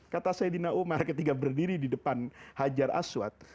kata saidina umar ketika berdiri di depan hajar aswad